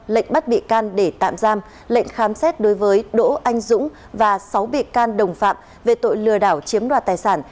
lệnh bắt bị can để tạm giam lệnh khám xét đối với đỗ anh dũng và sáu bị can đồng phạm về tội lừa đảo chiếm đoạt tài sản